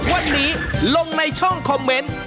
วันนี้ลงในช่องคอมเมนต์